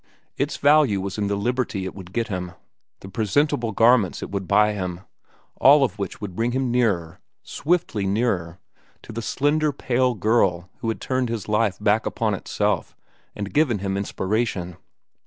Its value was in the liberty it would get him, the presentable garments it would buy him, all of which would bring him nearer, swiftly nearer, to the slender, pale girl who had turned his life back upon itself and given him inspiration.